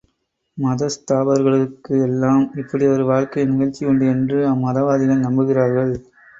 மதஸ்தாபகர்களுக்கு எல்லாம் இப்படியொரு வாழ்க்கை நிகழ்ச்சியுண்டு என்று அவ்வம்மதவாதிகள் நம்புகிறார்கள்.